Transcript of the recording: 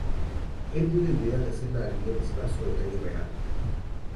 El dio la idea de hacer la avenida principal sobre la calle real.